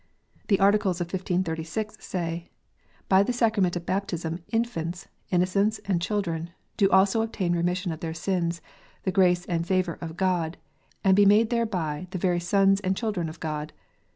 PRAYER BOOK STATEMENTS : REGENERATION. 153 The Articles of 1536 say, "By the sacrament of baptism, infants, innocents, and children, do also obtain remission of their sins, the grace and favour of God, and be made thereby the very sons and children of God."